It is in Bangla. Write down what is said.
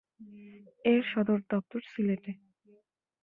এর সদর দপ্তর সিলেটে।